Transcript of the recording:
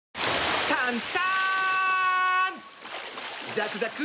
ザクザク！